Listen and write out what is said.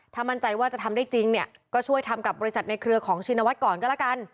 ถ้ามั่นใจว่าจะทำได้จริงเนี่ยก็ช่วยทำกับบริษัทในเครือของชินวัฒน์ก่อนก็แล้วกัน